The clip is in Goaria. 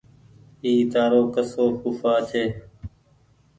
اي تآرو ڪسو ڦوڦآ ڇي